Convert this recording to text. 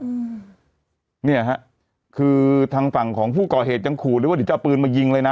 อืมเนี่ยฮะคือทางฝั่งของผู้ก่อเหตุยังขู่เลยว่าเดี๋ยวจะเอาปืนมายิงเลยนะ